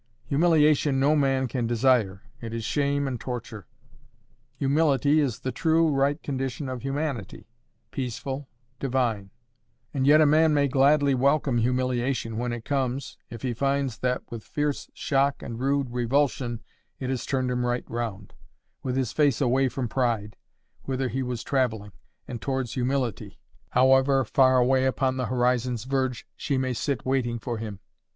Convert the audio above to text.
Humiliation no man can desire: it is shame and torture. Humility is the true, right condition of humanity—peaceful, divine. And yet a man may gladly welcome humiliation when it comes, if he finds that with fierce shock and rude revulsion it has turned him right round, with his face away from pride, whither he was travelling, and towards humility, however far away upon the horizon's verge she may sit waiting for him.